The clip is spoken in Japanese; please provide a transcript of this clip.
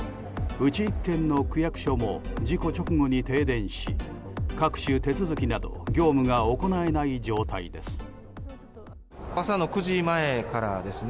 うち１軒の区役所も事故直後に停電し各種手続きなど業務が行えない状態です。